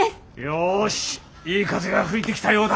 よしいい風が吹いてきたようだ。